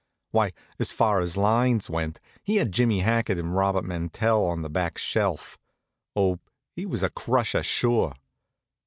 Why, as far as lines went, he had Jimmy Hackett and Robert Mantell on the back shelf. Oh, he was a crusher, sure!